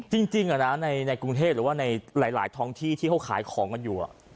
จริงจริงอ่ะนะในในกรุงเทศหรือว่าในหลายหลายท้องที่ที่เขาขายของกันอยู่อ่ะ